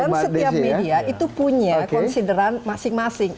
dan setiap media itu punya consideran masing masing